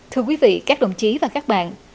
thưa quý vị các đồng chí và các bạn